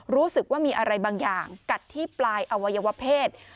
รู้สึกว่ามีอะไรบางอย่างกัดที่ปลายอวัยวเพศ